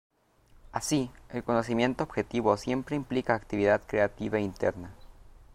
Así, el conocimiento objetivo siempre implica actividad creative interna.